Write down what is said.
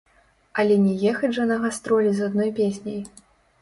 Але не ехаць жа на гастролі з адной песняй.